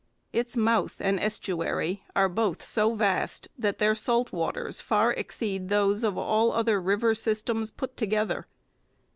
Its mouth and estuary are both so vast that their salt waters far exceed those of all other river systems put together.